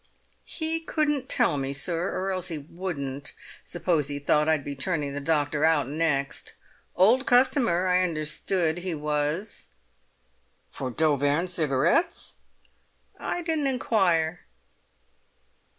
"He couldn't tell me, sir; or else he wouldn't. Suppose he thought I'd be turning the doctor out next. Old customer, I understood he was." "For d'Auvergne Cigarettes?" "I didn't inquire."